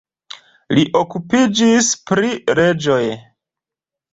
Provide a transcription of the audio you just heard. Li okupiĝis pri leĝoj.